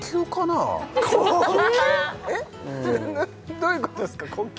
どういうことですか呼吸？